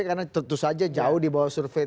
karena tentu saja jauh dibawah survei